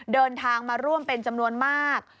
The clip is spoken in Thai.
เดินทางมาร่วมเป็นจำนวนมาก